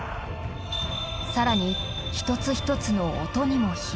更に一つ一つの音にも秘密が。